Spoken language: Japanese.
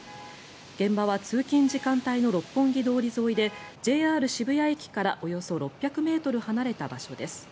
現場は通勤時間帯の六本木通り沿いでＪＲ渋谷駅からおよそ６００ｍ離れた場所です。